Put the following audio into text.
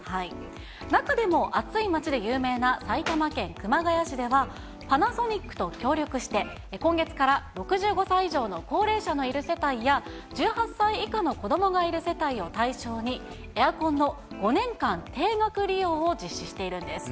中でも暑い街で有名な埼玉県熊谷市では、パナソニックと協力して、今月から６５歳以上の高齢者のいる世帯や、１８歳以下の子どもがいる世帯を対象に、エアコンの５年間定額利用を実施しているんです。